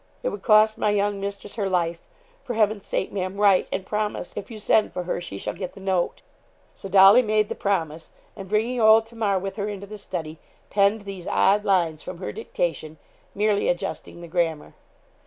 It would cost my young mistress her life. For Heaven's sake, Ma'am, write, and promise, if you send for her, she shall get the note.' So, Dolly made the promise, and bringing old Tamar with her into the study, penned these odd lines from her dictation, merely adjusting the grammar.